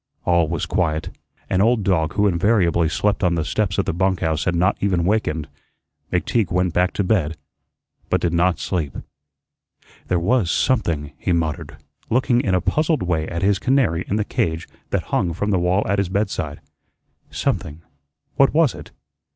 All was quiet. An old dog who invariably slept on the steps of the bunk house had not even wakened. McTeague went back to bed, but did not sleep. "There was SOMETHING," he muttered, looking in a puzzled way at his canary in the cage that hung from the wall at his bedside; "something. What was it?